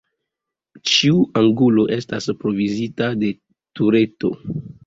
Ĉiu angulo estas provizita de tureto.